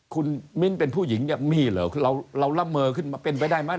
คุณมิ้นเป็นผู้หญิงเนี่ยมีเหรอเราละเมอขึ้นมาเป็นไปได้ไหม